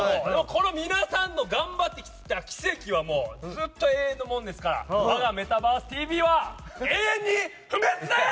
皆さんの頑張った軌跡はずっと永遠のものですから我が「メタバースＴＶ！！」は永遠に不滅です！